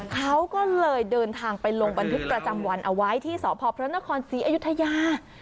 เขาก็เลยเดินทางไปลงบันทึกประจำวันเอาไว้ที่สพพระนครศรีอยุธยา